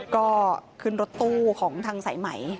ก็ขึ้นรถตู้ของทางไสใหม่